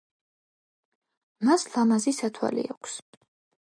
მას ლამაზი სათვალე აქვს.